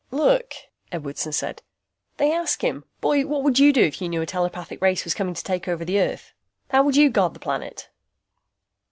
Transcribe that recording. "Look," Edwardson said, "They ask him, 'Boy, what would you do if you knew a telepathic race was coming to take over Earth? How would you guard the planet?'"